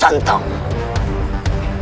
yakin sekali gusti prabu